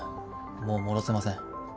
もう戻せません。